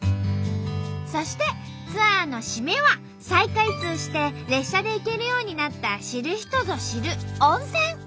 そしてツアーの締めは再開通して列車で行けるようになった知る人ぞ知る温泉。